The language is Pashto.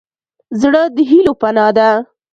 زړه د هيلو پناه ده.